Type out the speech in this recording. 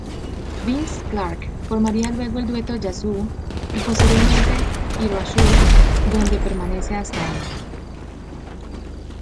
Vince Clarke formaría luego el dueto Yazoo y posteriormente Erasure donde permanece hasta hoy.